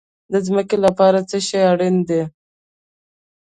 د ځمکې لپاره څه شی اړین دي؟